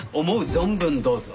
存分どうぞ。